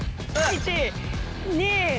１・２。